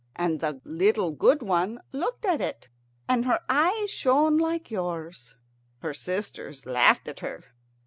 And the little good one looked at it, and her eyes shone like yours. Her sisters laughed at her.